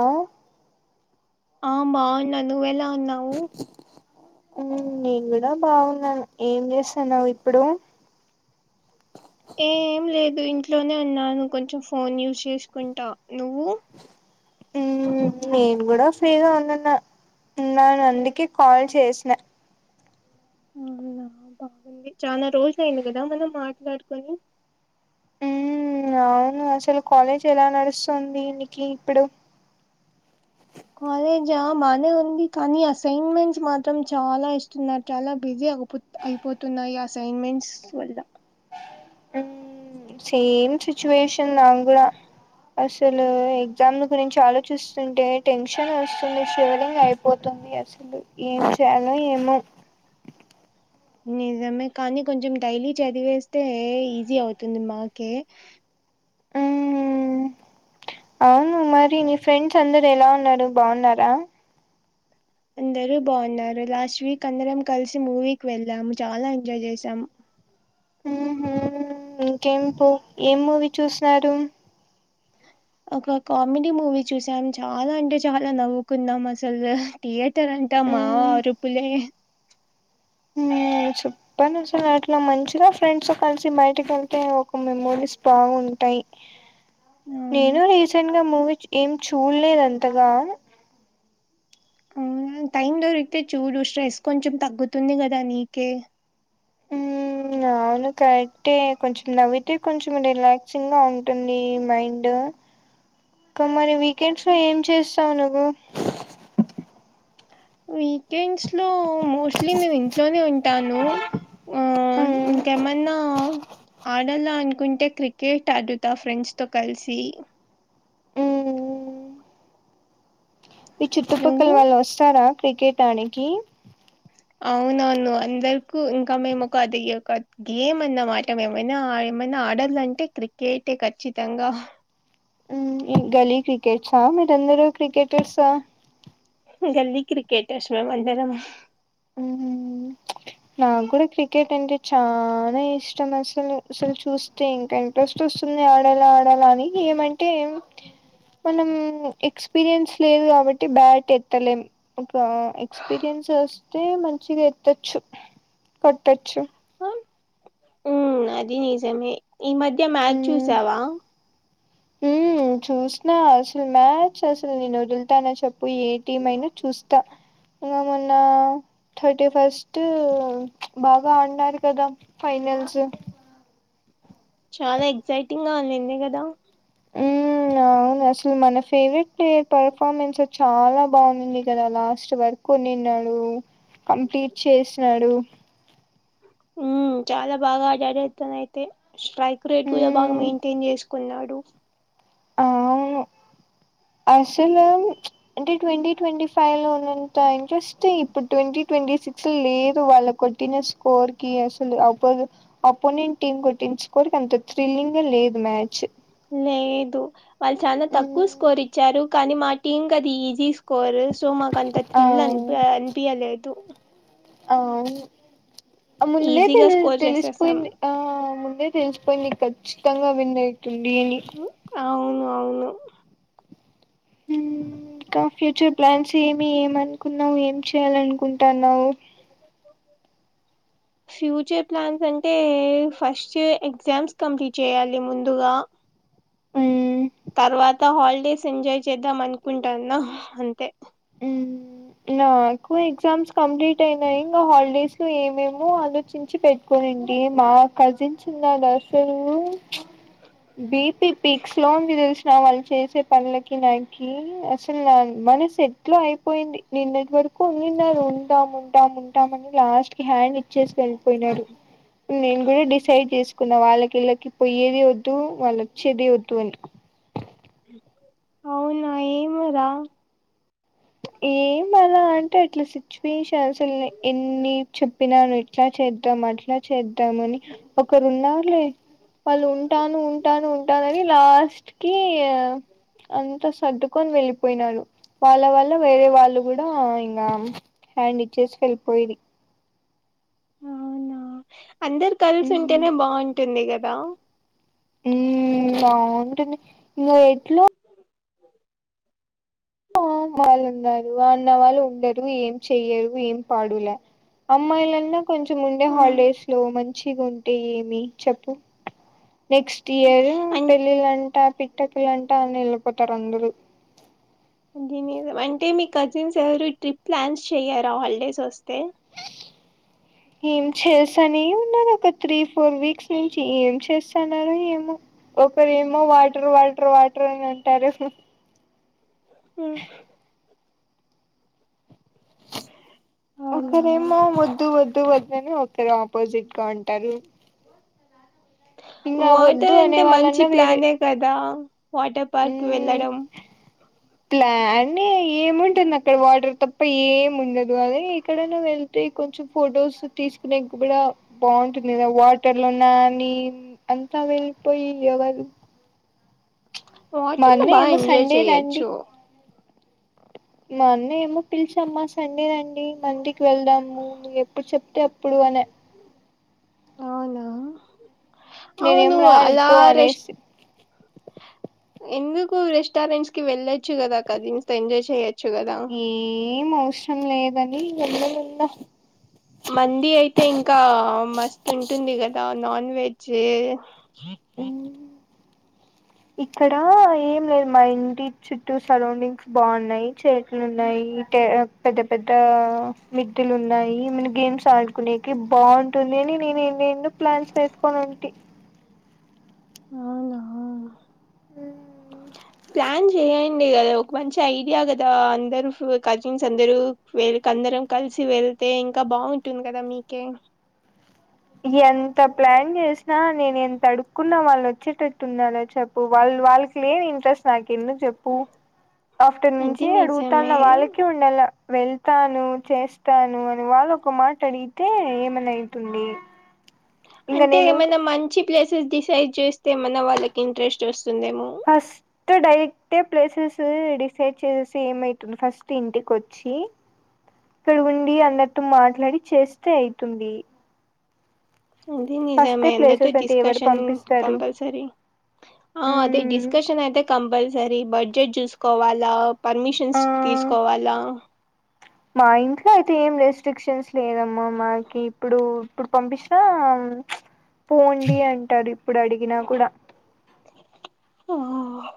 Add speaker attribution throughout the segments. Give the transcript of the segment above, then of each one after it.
Speaker 1: ఆ
Speaker 2: ఆ బాగున్నా, నువ్వెలా ఉన్నావు?
Speaker 1: నేన్ గుడా బాగున్నాను. ఏం చేస్తాన్నవ్ ఇప్పుడు
Speaker 2: ఏం లేదు ఇంట్లోనే ఉన్నాను కొంచెం ఫోన్ యూజ్ చేస్కుంటా నువ్వు?
Speaker 1: నేన్ గుడా ఫ్రీగా ఉన్ననా ఉన్నాన్ అందుకే కాల్ చేస్న
Speaker 2: అవునా బాగుంది. చానా రోజులైంది కదా మనం మాట్లాడుకొని
Speaker 1: మ్ అవును అసల్ కాలేజ్ ఎలా నడుస్తుంది నికి ఇప్పుడు
Speaker 2: కాలేజా బానే ఉంది కానీ అసైన్మెంట్స్ మాత్రం చాలా ఇస్తున్నార్ చాలా బిజి అయిపోతున్నాయి అసైన్మెంట్స్ వల్ల
Speaker 1: మ్మ్ సేమ్ సిట్యుయేషన్ నాక్ గుడా అసలు ఎగ్జామ్ గురించి ఆలోచిస్తుంటే టెన్షన్ వస్తుంది షివరింగ్ అయిపోత తంది అసలు ఏం చెయ్యాల్నో ఏమో
Speaker 2: నిజమే కానీ కొంచం డైలీ చదివేస్తే ఈజీ అవుతుంది మాకే
Speaker 1: మ్మ్ అవును మరి నీ ఫ్రెండ్స్ అందరు ఎలా ఉన్నారు బాగున్నారా?
Speaker 2: అందరూ బాగున్నారు. లాస్ట్ వీక్ అందరం కల్సి మూవీకి వెళ్ళాము, చాలా ఎంజాయ్ చేసాం.
Speaker 1: ఇంకేం పు ఏం మూవీ చూసారు
Speaker 2: అ ఒక కామెడీ మూవీ చూసాం. చాలా అంటే చాలా నవ్వుకున్నాం అసల్ థియేటర్ అంట మా అరుపులే
Speaker 1: మ్ చెప్పన్ అసల అట్లా మంచిగా ఫ్రెండ్స్తో కల్సి బైటికెళ్తే ఒక మెమోరీ స్ బాగుంటయి.
Speaker 2: అవును
Speaker 1: నేను రీసెంట్గ మూవీ ఏం చూడ్లేదు అంతగా
Speaker 2: అవునా టైం దొరికితే చూడు స్ట్రెస్ కొంచం తగ్గుతుంది కదా నీకే
Speaker 1: మ్ అవును కరెక్టే కొంచం నవ్వితే కొంచం రిలాక్సింగా ఉంటుంది మైండ్ ఇంకా మరి వీకెండ్స్లో ఏం చేస్తావ్ నువ్వు
Speaker 2: వీకెండ్స్లో మోస్ట్లీ నేను ఇంట్లోనే ఉం టాను. ఆ
Speaker 1: మ్మ్
Speaker 2: ఇంకేమన్నా ఆడాల అనుకుంటే క్రికెట్ ఆడుతా ఫ్రెండ్స్తో కల్సి
Speaker 1: మ్మ్ మీ చుట్టుపక్కల
Speaker 2: నువ్వు
Speaker 1: వాళ్ళు వస్తారా క్రికెట్ ఆడేకి
Speaker 2: అవునవును అందర్కు ఇంకా మేం ఒక అది ఒక గేమ్ అన్నమాట ఏమైనా ఆ ఏమైన ఆడలంటే క్రికెటే ఖచ్చితంగా
Speaker 1: మ్ ఏం గల్లీ క్రికెట్సా మీరందరూ క్రికెటర్సా
Speaker 2: గల్లీ క్రికెటర్స్ మేం అందరం.
Speaker 1: నాక్ గుడా క్రికెట్ అంటే చానా ఇష్టం అసలు అసల్ చూస్తే ఇంకా ఇంట్రెస్ట్ వస్తుం ఆడాల ఆడాలా అని ఏం మంటే ఏం మనమ్, ఎక్స్పీరియన్స్ లేదు గాబట్టి బ్యాట్ ఎత్తలేం, ఒక ఎక్స్పీరియన్స్ స్. ఐతే మంచిగా ఎత్తొచ్చు కట్టొచ్చు.
Speaker 2: ఉమ్ అది నిజమే, ఈ మధ్య మ్యాచ్ చూసావా.
Speaker 1: ఊమ్ చూసిన అసలు మ్యాచ్ అసలు నేను ఓదుల్తాన చెప్. పోయి ఏటీం అయినా చూస్తా ఇగ మొన్నా. థట్టి ఫస్టు ఓ బాగా ఆడిన్నారు కదా ఫైనల్సు.
Speaker 2: చాలా ఎక్సైటింగ్ గా ఉండింది గదా.
Speaker 1: ఊమ్ అవును అసలు మన ఫేవరెట్ ప్లేయర్ పర్పమేన్స్. చాలా బాగుంది కదా లాస్ట్ వరకు ఉండినాడు కొ నిన్నాడు కంప్లీట్ చేసినాడు
Speaker 2: ఉమ్ చాలా బాగా ఆడాడు తనైతే. స్ట్రైక్ రేట్ కూడా బాగా
Speaker 1: ఉమ్
Speaker 2: మెయింటిన్ చేసుకున్నాడు.
Speaker 1: అవును అసలు, చ్ అంటే ట్వంటీ ట్వంటీ ఫైయి లో ఉన్నంత ఇంట్రెస్ట్ ఇప్పుడు ట్వంటీ. ట్వంటీ సిక్స్ లేదు వాళ్ళ కొట్టిన స్కోర్ కి అసలు, అపొ అపోనెంట్ టీమ్ కొట్టి. ఎంచుకోరి అంత థ్రిల్లింగే లేదు మ్యాచ్.
Speaker 2: లేదు వాళ్ళు చాలా తక్కువ స్కోర్ ఇచ్చారు కానీ మా టీం అది ఈజీ స్క్. కోరసు మ కంత
Speaker 1: ఆ
Speaker 2: థ్రిల్ అనిపి అ అనిపియలేదు.
Speaker 1: ఆమ్, అ ముందే
Speaker 2: ఈజీగా
Speaker 1: తెలి
Speaker 2: స్కోర్ చేసేసాం
Speaker 1: తెలిసిపోయింది, ఆ ముందే. తెలిసిపోయింది ఖచ్చితంగా విన్నఅయితుంది అని.
Speaker 2: అవును అవునూ. నీ కాడా
Speaker 1: ఇంకా ఫ్యూచర్ ప్లాన్స్ ఏమి, ఏమ అనుకున్నావు, ఏం చేయాల అనుకుంటన్నావ్.
Speaker 2: ఫ్యూచర్ ప్లాన్స్ అంటే, ఫస్ట్ ఎగ్జామ్స్ కంప్లీట్ చేయాలి ముందుగా. తర్వాత హాలిడేస్ ఎంజాయ్ చేద్దాం అనుకుంటాన్న అంతే.
Speaker 1: ఊమ్. నాకు ఎగ్జామ్స్ కంప్లీట్ అయినాయి ఇంగ హాలిడేస్ లో ఏమేమో ఆలోచించి పెట్టుకోని. అండి మా కజిన్స్ ఉన్నాడు అసలు బిపీపీక్స్ లో తెలిసిన వాళ్ళు చేసే పనులకి నాకి అసలు నా మళ్ళీ సెట్ ఎట్లొ లో అయిపోయింది నిన్నటి వరకు ఉండిన్యారు ఉంటాం ఉంటాం ఉంటాం అని లాస్ట్ కి హ్యాండ్ ఇచ్చేసి వె వేల్పోయినరు నేను కూడా డిసైడ్ చేస్ కున్న వాళ్ళకి ఈళ్ళకి పోయేది వద్దు వాళ్ళోచ్చేది వద్దు అని
Speaker 2: అవునా ఏమో రా
Speaker 1: ఏమీ లేదు అ అంటే ఇట్ల సిచ్యువేషన్ అసలు ఎన్ని చెప్పినాను ఇట్లా చేద్దాం అట్లా చేద్దాం ఉంటానని ఒకరు ఉన్నార్లే వాళ్ళు ఉంటాను ఉంటాను ఉంటానని లాస్ట్ స్ట్కి అంత సర్దుకొని వెళ్ళిపోయినరు వాళ్ళ వళ్ళ వేరే వాళ్ళు కూడా ఇంగా హ్యాండ్ ఇచ్చేసి వెళ్ళిపోయిరి
Speaker 2: అవునా అందరు కలిసి ఉంటేనే బాగుంటుంది కదా
Speaker 1: మ్మ్ బావుంటుంది ఇంగ ఎట్లో ఆ వాళ్ళు ఉన్నారు అన్న వాళ్ళు ఉండరు ఏం చెయ్యరు ఏం పాడు లే అమ్మాయిలన్న కొంచెం ఉండే హాలిడేస్ లో మంచిగుంటే ఏమి చెప్పు నెక్స్ట్ ఇయరు
Speaker 2: అం
Speaker 1: పెళ్ళిళ్ళంటా పిట్టకులంటా అని వెళ్ళిపోతరు అందరూ
Speaker 2: అ నిజం అంటే మీ కజిన్స్ ఎవరు ట్రిప్ ప్లాన్స్ చెయ్యరా హాలిడేస్ వస్తే
Speaker 1: ఏం చేస్తనే ఉన్నారు ఒక త్రీ ఫోర్ వీక్స్ నుంచి ఏం చేస్తన్నారో ఏమో ఒకరేమో వాటర్ వాటర్ వాటర్ అని అంటారు
Speaker 2: మ్మ్ అవునా
Speaker 1: ఒకరేమో వద్దు వద్దు వద్దని ఒకరు ఆపోజిట్ గా ఉంటారు ఇంకా వద్దు
Speaker 2: వాటర్
Speaker 1: అనే
Speaker 2: అంటే మంచి
Speaker 1: వాళ్ళన్నా వేరే
Speaker 2: ప్లానే కదా వాటర్ పార్క్ వెళ్ళడం
Speaker 1: ప్లానే ఏముంటుంది అక్కడ వాటర్ తప్ప ఏమి ఉండదు అదే ఎక్కడన్న వెళ్తే కొంచెం ఫోటోస్ తీసుకునేకి కూడ బాగుంటుంది కదా వాటర్ లో నానీ అంత అలా వెళిపోయి ఎవరు మా
Speaker 2: వాటర్లో
Speaker 1: అన్న
Speaker 2: బాగ
Speaker 1: ఏమో
Speaker 2: ఎంజాయ్
Speaker 1: సండే రండి
Speaker 2: చేయచ్చు
Speaker 1: మా అన్న ఏమో పిలిచమ్మా సండే రండి మండికి వెళ్దాము నువు ఎప్పుడు చెప్తే అప్పుడు వాన
Speaker 2: అవునా
Speaker 1: నేనేం
Speaker 2: అవును
Speaker 1: రాను
Speaker 2: అలా
Speaker 1: పో
Speaker 2: రష్
Speaker 1: అనేసి
Speaker 2: ఎందుకు రెస్టారెంట్స్ కి వెళ్ళొచ్చు కదా కజిన్స్ తో ఎంజాయ్ చెయ్యచ్
Speaker 1: ఏం అవసరం లేదని వెళ్ళలే ఇంగ
Speaker 2: మందీ అయితే ఇంకా మస్తు ఉంటుంది కదా నాన్ వెజ్
Speaker 1: ఇక్కడా ఏం లేదు మా ఇంటి చుట్టూ సరౌండింగ్స్ బాగున్నాయి చెట్లున్నాయి ఈట్ పెద్ద పెద్ద మిద్దెలు ఉన్నాయి మనం గేమ్స్ ఆడుకునేకి బాగుంటుంది నేనినేనే నేను ప్లాన్స్ వేసుకోనంటి
Speaker 2: అవునా ప్లాన్ జేయ్. ఉంది గదా ఒక మంచి ఐడియా గదా, అందరు ఫు కజిన్స్ అందరూ, వెళ అందరం కలిసి వెళ్ళ. అయితే ఇంకా బాటుంది కదా మీకే.
Speaker 1: ఎంత ప్లాన్ జెసినా, నేను ఎంత అడుక్కున్నా, వాళ్ళు వచ్చేటట్టు ఉన్నారా చెప్పు వాళ్. వాళ్ళకి లేదు ఇంట్రెస్ట్ అయ్. ఎందుకు చెప్పు, ఆఫ్టర్
Speaker 2: అది
Speaker 1: నుంచి
Speaker 2: నిజమే
Speaker 1: అడుగుతాన్న, వాళ్ళకి ఉండలా. వెళ్తాను, చేస్తాను, అని వాళ్ళ ఒక మాట అడిగితే ఏమన్నఅయితుంది.
Speaker 2: అంటే ఏమైన్నా మంచి ప్లేసెస్ డిసైడ్ చేస్తే ఏమన్నా వాళ్ళకి ఇంట్రెస్ట్ వొస్.
Speaker 1: First direct. ప్లేసెస్ ఉ డిసైడ్ చేసి ఏమయితుంది ఫస్ట్ ఇంటికోచ్చి. ఇక్కడ ఉండి అందరితో మాట్లాడి చేస్తే అయితుంది.
Speaker 2: ఇది
Speaker 1: ఫస్టే
Speaker 2: నిజమే అందరితో
Speaker 1: ప్లేసెస్ అంటే ఎవరు
Speaker 2: డిస్కషన్,
Speaker 1: పంపిస్తారు
Speaker 2: కంపల్సరీ. ఆ అది
Speaker 1: మ్మ్
Speaker 2: డిస్కషన్ అయితే కంపల్సరి బట్. బడ్జెట్ చూసుకోవాలా,
Speaker 1: ఆ
Speaker 2: పర్మిషన్స్ తీసుకోవాలా.
Speaker 1: మా ఇంట్లో అయితే, ఏం రెస్ట్రిక్షన్స్ లేదమ్మా, మాకి ఇప్పుడు, ఇప్పుడు పంపించినా. ఊమ్ చ్చు పోండి అంటాడు ఇప్పుడు అడిగినా కూడా.
Speaker 2: ఆ హ.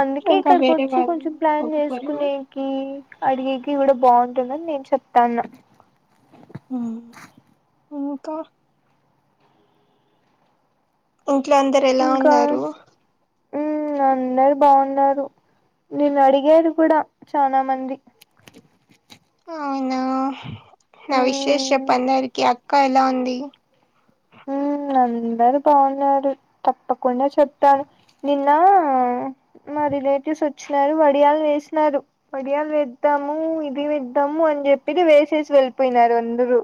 Speaker 1: అందుకే ఇక్కడికి ఓచ్చి కొంచెం ప్లాన్
Speaker 2: ఒప్పుకోరేమో
Speaker 1: చేసుకునేకీ. అడిగేకి కూడా బాగుంటుందని నేను చెప్తాన్నా
Speaker 2: హమ్ ఇంకా ఇంట్లో అందరు ఎలా ఉన్నారు
Speaker 1: హమ్ అందరు బాగున్నారు నిన్ను అడిగారు కూడా చాన మంది
Speaker 2: అవునా నా విషేస్
Speaker 1: మ్మ్
Speaker 2: చెప్పు అందరికి అక్క ఎలా ఉంది
Speaker 1: మ్మ్ అందరు బాగున్నారు తప్పకుండా చెప్తాను నిన్న మ రిలేటివ్స్ వచ్చినారు వడియాలు వేసినారు వడియాలు వేద్దాము ఇది వేద్దాము అని చెప్ తిని వేసేసి వెళ్ళిపోయినారు అందరు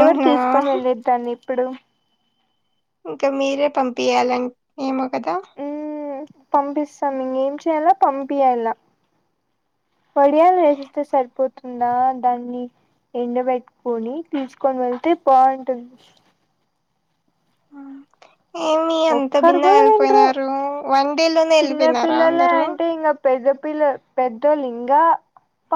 Speaker 1: ఎవరు తీసుకొని వెళ్లేేది దాన్ని ఇప్పుడు
Speaker 2: ఇంకా మీరే పంపియాల అన్ ఏమో కదా
Speaker 1: ఉ పంపిస్తాం ఇంగ ఏం చేయలో పంపి యాల వడియాలు వేసిస్తే సరిపోతుందా దాన్ని ఎండ పెట్టుకొని తీసుకొని వెళ్తే బాగుంటుంది
Speaker 2: ఆ కే ఏమి అంత
Speaker 1: ఒక్కరు
Speaker 2: భిన్న
Speaker 1: కూడా తినరు
Speaker 2: వెళ్ళిపోయినారు వన్ డే లోనే
Speaker 1: చిన్న
Speaker 2: వెళ్ళిపోయినారా
Speaker 1: పిల్లలే
Speaker 2: అందరు
Speaker 1: అంటే ఇంగ పెద్ద పిల్ల పెద్ద లింగాప్ప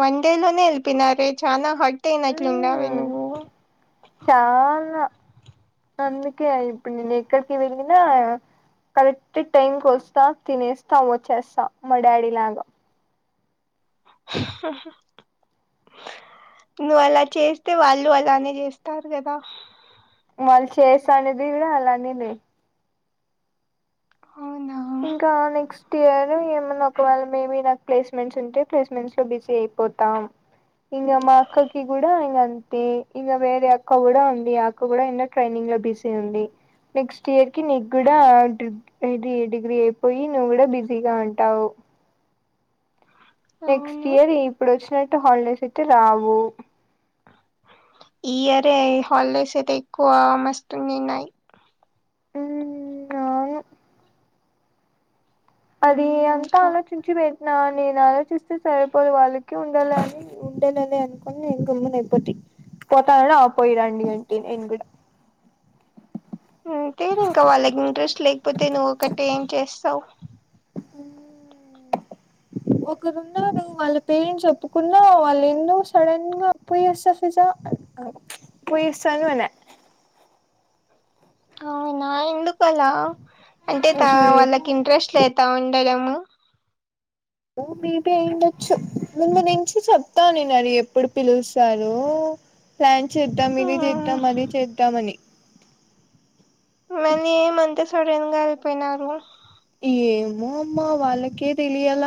Speaker 2: వన్ డేలోనే వెల్పోయినారే చాన హుట్ హర్ట్ అయినట్లు ఉన్నావే
Speaker 1: మ్మ్
Speaker 2: నువ్వు
Speaker 1: చానా అందుకే ఆ ఇప్పుడు నేను ఎక్కడికి వెళ్ళినా కరెక్ట్ టైంకి వస్తా తినేస్తా వచ్చేస్తా మా డాడీ లాగా
Speaker 2: హ నువ్వు అలా చేస్తే వాళ్ళు అలానే చేస్తారు కదా
Speaker 1: వాళ్ళు చేస్తా అనేది గూడ అలానే లే
Speaker 2: అవునా
Speaker 1: ఇంకా నెక్స్ట్ ఇయర్ ఏమన్నా ఒకవేళ మేబి నాకు ప్లేస్మెంట్స్ ఉంటే ప్లేస్మెంట్స్ లో బిజీ అయిపో పోతం ఇంకా మా అక్కకి కూడా ఇ అంతే ఇంకా వేరే అక్క కూడా ఉంది అక్క కూడా ఎన్న ట్రైనింగ్ లో బిజీ ఉంది నెక్స్ట్ ఇయర్ కి నీకి కూడా డ్రిప్ ఇది డిగ్రీ అయిపోయి నువ్వు కూడా బిజీగా ఉంటావు నెక్స్ట్
Speaker 2: అవును
Speaker 1: ఇయర్ ఇప్పుడు వచ్చినట్టు హాలిడేస్ అయితే రావు
Speaker 2: ఆ ఈ ఇయర్ే హాలిడేస్ అయితే ఎక్కువ మస్తు ఉన్నాయి
Speaker 1: ఉమ్ అవును అది అంతా
Speaker 2: ఇంకా
Speaker 1: ఆలోచించి వే నా నేను ఆలోచిస్తే సరిపోదు వాళ్ళకి ఉండాలని ఉండేనని అనుకోని నేను గమ్మన ఆపోతే పోతాన ఆ పోయి రండి అంటి నేను కూడా
Speaker 2: అంతే లే ఇంకా వాళ్ళకి ఇంట్రెస్ట్ లేకపోతే నువ్వు ఒకటే ఏం చేస్తావు్
Speaker 1: ఒకరు ఉన్నారు వాళ్ళ పేరెంట్స్ చెప్పుకున్నా వాళ్ళు ఎందుో సడన్ గా అ పోయేస్తా ఫిజ పోయి వస్తాను అన్య
Speaker 2: అవునా ఎందుకలా అంటే త
Speaker 1: ఏమో
Speaker 2: వాళ్ళకి ఇంట్రెస్ట్ లేతా ఉండడం ము
Speaker 1: ఓ మీబి అయిండొచ్చు ముందు నుంచి చెప్తా నేను అది ఎప్పుడు పిలుస్తారు ప్లాన్ చేద్దాం ఇది
Speaker 2: మ్మ్.
Speaker 1: చేద్దాం అది చేద్దాం అని
Speaker 2: ఏంది ఏమంత సడన్ గా ఎళిపోయినారు
Speaker 1: ఏమ్మో మా వాళ్ళకే తెలియాల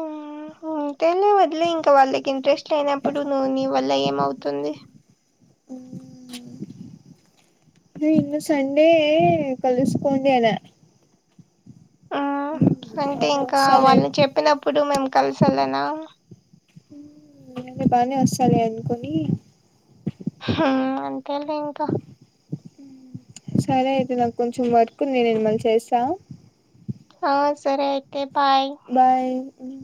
Speaker 2: మ్ మ్ ఇంకేంది వదిలేయ్ ఇంక వాళ్ళకి ఇంట్రెస్ట్ లేనప్పుడు నువు నీ వల్ల ఏమవుతుంది
Speaker 1: నువు ఇంగ సండే కలుస్కోండి అలా
Speaker 2: ఆ అంటే ఇంకా
Speaker 1: వస్తాలే
Speaker 2: వాళ్ళు చెప్పినప్పుడు మేము కలిసి వెళ్ళనా
Speaker 1: మ్ నేనింగ బానే వస్తాలే అనుకని
Speaker 2: హుమ్మ్ అంతేలే ఇంకా
Speaker 1: సరే అయితే ఇవాళ కొంచెం వర్కు ఉంది నేను మళ్ చేస్తా
Speaker 2: ఆ సరే అయితే బాయ్
Speaker 1: బాయ్ మ్